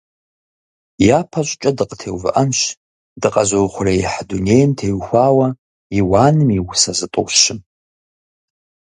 ЯпэщӀыкӀэ дыкъытеувыӀэнщ дыкъэзыухъуреихь дунейм теухуауэ Иуаным и усэ зытӀущым.